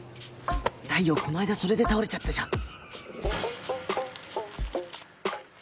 太陽この間それで倒れちゃったじゃん。